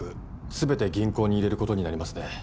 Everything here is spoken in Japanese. すべて銀行に入れることになりますね